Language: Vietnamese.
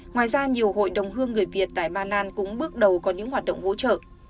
ngoài ra nhiều hội đồng hương người việt tại manan cũng bước đầu có những hoạt động hỗ trợ